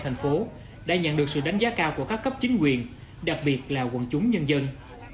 công an tp hcm đã nhận được sự đánh giá cao của các cấp chính quyền đặc biệt là quận chúng nhân dân